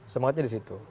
semangatnya di situ